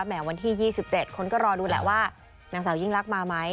วันที่๒๗คนก็รอดูแหละว่านางสาวยิ่งลักษณ์มาไหม